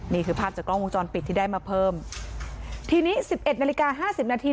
นี่คือภาพจากกล้องวงจรปิดที่ได้มาเพิ่มทีนี้๑๑นาฬิกา๕๐นาที